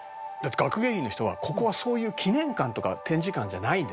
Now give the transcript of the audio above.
「学芸員の人はここはそういう記念館とか展示館じゃないんです」